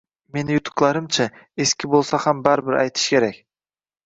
Meni yutuqlarimchi, eski bo‘lsa ham baribir, aytish kerak.